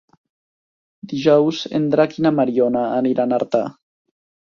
Dijous en Drac i na Mariona aniran a Artà.